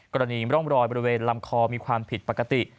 กรณีร่องรอยบริเวณลำคอมีความผิดปกติ